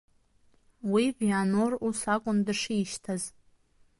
Уи Вианор ус акәын дышишьҭаз…